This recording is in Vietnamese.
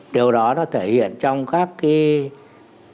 điều đó nó thể hiện trong các hoa văn